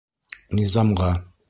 Низамға.